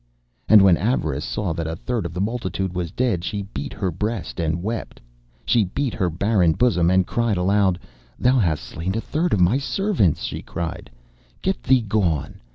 And when Avarice saw that a third of the multitude was dead she beat her breast and wept. She beat her barren bosom, and cried aloud. 'Thou hast slain a third of my servants,' she cried, 'get thee gone.